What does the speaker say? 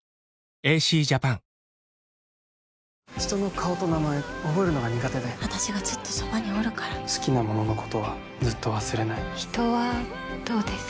顔と名前覚えるのが苦手で私がずっとそばにおるから好きなもののことはずっと忘れない人はどうですか？